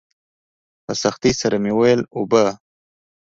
په سختۍ سره مې وويل اوبه.